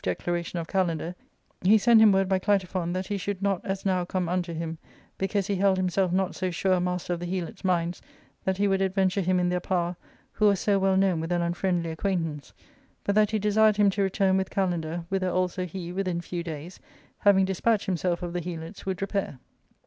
declaration of Kalander, he sent him word by Clitophon that he should not as now come unto him, because he held himself not so sure a master of the Helots^ minds that he would adventure him in their power who was so well known with an unfriendly acquaintance, but that he desiredJiiBgL to return^ with Kalander. whither also he, within few days^ having despatched himself of the Helots^ would jrepair.